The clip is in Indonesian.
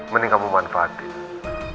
mending kamu manfaatin